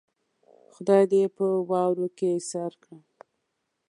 خدای دې په واورو کې ايسار کړه.